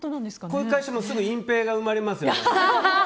こういう会社はすぐ隠蔽が生まれますよ。